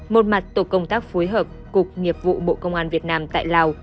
một mặt tổ công tác phối hợp cục nghiệp vụ bộ công an việt nam tại lào